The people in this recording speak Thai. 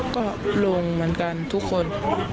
ก็ลวงเหมือนกันทุกคน